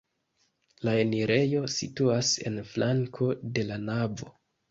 La enirejo situas en flanko de la navo.